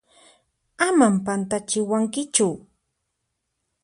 Aman pantachiwankichu!